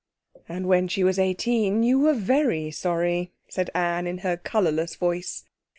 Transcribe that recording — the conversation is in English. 'And when she was eighteen you were very sorry,' said Anne in her colourless voice.